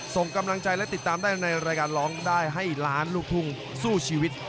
ส่งกำลังใจและติดตามได้ในรายการร้องได้ให้ล้านลูกทุ่งสู้ชีวิต